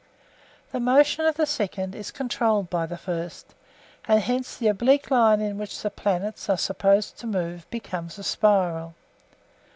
The motion of the second is controlled by the first, and hence the oblique line in which the planets are supposed to move becomes a spiral.